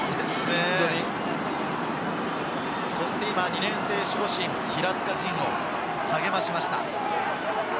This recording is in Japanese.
そして２年生守護神・平塚仁を励ましました。